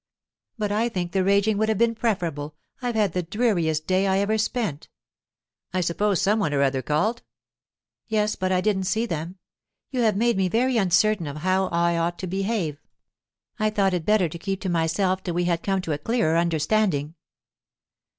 "But I think the raging would have been preferable; I've had the dreariest day I ever spent." "I suppose some one or other called?" "Yes, but I didn't see them. You have made me very uncertain of howl ought to behave. I thought it better to keep to myself till we had come to a clearer understanding."